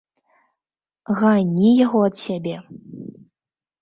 Гані яго ад сябе!